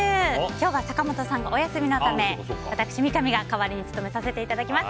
本日は坂本さんがお休みのため私、三上が代わりに務めさせていただきます。